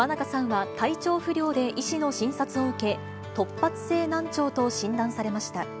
ｍａｎａｋａさんは体調不良で医師の診察を受け、突発性難聴と診断されました。